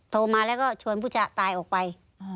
โทรมาแล้วก็ชวนผู้จะตายออกไป